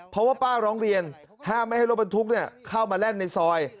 เพราะว่าป้าร้องเรียนห้ามไม่ให้รถบรรทุกเข้ามาแล่นในซอย